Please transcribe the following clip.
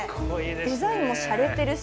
デザインもしゃれてるし。